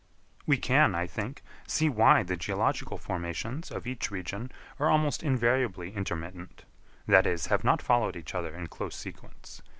We can, I think, see why the geological formations of each region are almost invariably intermittent; that is, have not followed each other in close sequence.